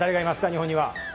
日本には。